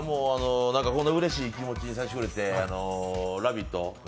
こんなうれしい気持ちにさせてくれて、「ラヴィット！」